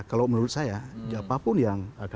kalau menurut saya siapapun yang